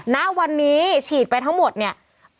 ณวันนี้ฉีดไปทั้งหมดเนี่ย